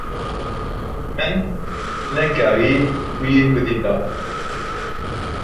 Min nekarî wî bidîta.